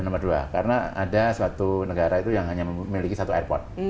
nomor dua karena ada suatu negara itu yang hanya memiliki satu airport